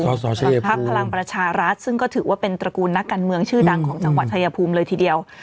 พักพลังประชารัฐซึ่งก็ถือว่าเป็นตระกูลนักการเมืองชื่อดังของจังหวัดชายภูมิเลยทีเดียว